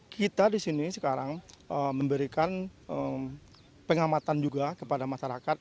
kita di sini sekarang memberikan pengamatan juga kepada masyarakat